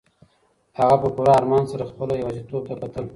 هغه په پوره ارمان سره خپله یوازیتوب ته کتل.